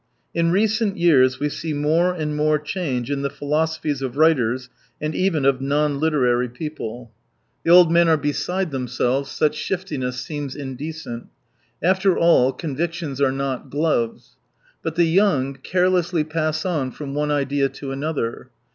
— In recent years we see more and more change in the philosophies of writers and even of non literary people* 2ia The old men are beside themselves — such shiftiness seems indecent. After all, con victions are not gloves. But the young carelessly pass on from one idea to another.